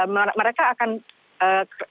mereka akan melakukan pembukaan